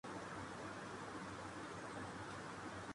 کیا کوئی چیز ایسی ہے جو انسان کو ظلم سے روک سکے؟